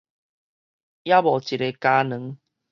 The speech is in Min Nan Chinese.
猶無一个加圇